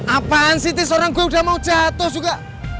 apaan sih tis orang gue udah mau jatuh juga